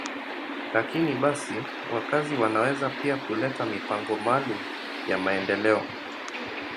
Lakini basi, wakazi wanaweza pia kuleta mipango maalum ya maendeleo.